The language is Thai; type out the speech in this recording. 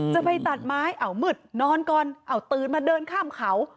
จะไปตัดไม้เอามืดนอนก่อนเอาตื่นมาเดินข้ามเขา